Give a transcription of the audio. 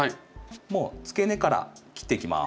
もうつけ根から切っていきます。